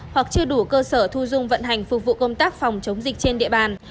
hoặc chưa đủ cơ sở thu dung vận hành phục vụ công tác phòng chống dịch trên địa bàn